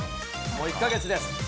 もう１か月です。